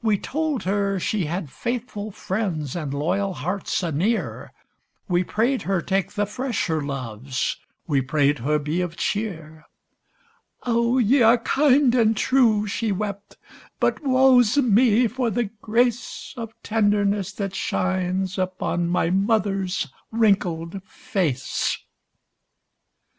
120 We told her she had faithful friends and loyal hearts anear, We prayed her take the fresher loves, we prayed her be of cheer; "Oh, ye are kind and true," she wept, "but woe's me for the grace Of tenderness that shines upon my mother's wrinkled face!"